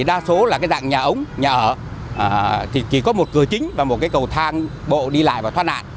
đa số là cái dạng nhà ống nhà ở thì chỉ có một cửa chính và một cái cầu thang bộ đi lại và thoát nạn